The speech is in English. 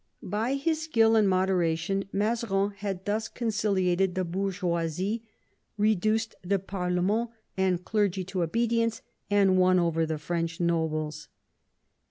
By his skill and moderation Mazarin had thus concili ated the haurgeaisU, reduced the parlement and clergy to obedience, and won over the French nobles.